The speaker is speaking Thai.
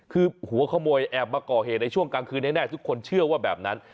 คือหัวขโมยแอบมาก่อเหตุในช่วงกลางคืนแน่ทุกคนเชื่อว่าแบบนั้น